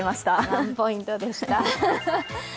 ワンポイントでした。